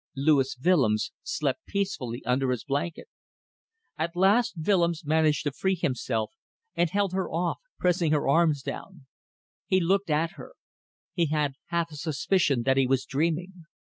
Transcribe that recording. Louis Willems slept peacefully under his blanket. At last Willems managed to free himself, and held her off, pressing her arms down. He looked at her. He had half a suspicion that he was dreaming.